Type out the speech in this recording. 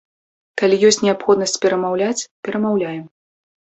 Калі ёсць неабходнасць перамаўляць, перамаўляем.